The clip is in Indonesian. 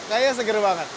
kayaknya seger banget